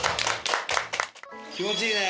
気持ちいいね。